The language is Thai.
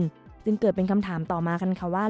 จึงเกิดเป็นคำถามต่อมาว่า